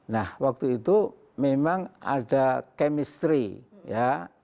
nah waktu itu memang ada chemistry ya